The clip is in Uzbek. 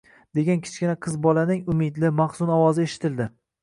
degan kichkina qizbolaning umidli, maxzun ovozi eshitildi